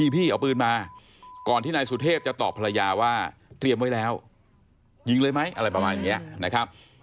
พี่เอาปืนมาก่อนที่นายสุเทพจะตอบภรรยาว่าเตรียมไว้แล้วยิงเลยไหมอะไรประมาณอย่างนี้นะครับ